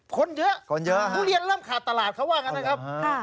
คนเยอะคนเยอะทุเรียนเริ่มขาดตลาดเขาว่างั้นนะครับ